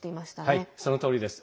はい、そのとおりです。